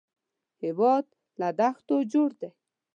هېواد له دښتو جوړ دی